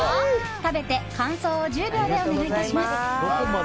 食べて感想を１０秒でお願いします。